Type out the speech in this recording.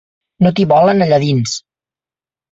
No t’hi volen allà dins.